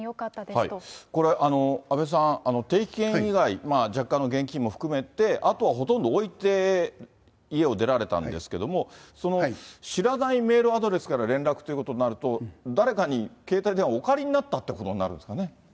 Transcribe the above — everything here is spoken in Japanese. これ、阿部さん、定期券以外、若干の現金も含めて、あとはほとんど置いて家を出られたんですけども、知らないメールアドレスから連絡ということになると、誰かに携帯電話をお借りになったってことになるんですかね。